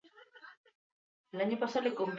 Promozio txapelketan finalerdiak erabakita.